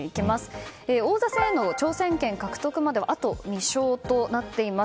王座戦への挑戦権獲得まではあと２勝となっています。